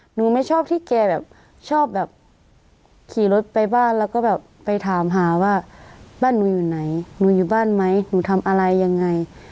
หนูไม่ชอบที่แกแบบชอบแบบขี่รถไปบ้านแล้วก็แบบไปถามหาว่าบ้านหนูอยู่ไหนหนูอยู่บ้านไหมหนูทำอะไรยังไง